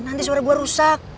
nanti suara gue rusak